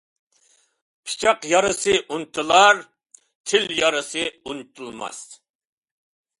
پىچاق يارىسى ئۇنتۇلار، تىل يارىسى ئۇنتۇلماس.